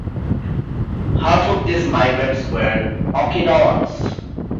Half of these migrants were Okinawans.